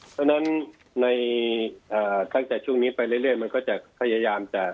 เพราะฉะนั้นในตั้งแต่ช่วงนี้ไปเรื่อยมันก็จะพยายามจะ